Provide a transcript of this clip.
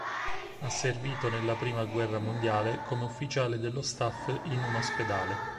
Ha servito nella prima guerra mondiale come ufficiale dello staff in un ospedale.